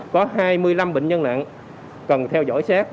có hai mươi năm bệnh nhân nặng cần theo dõi sát